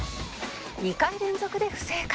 ２回連続で不正解